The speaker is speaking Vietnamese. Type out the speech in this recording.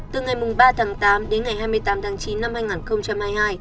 từ ngày ba tháng tám đến ngày hai mươi tám tháng chín năm hai nghìn hai mươi hai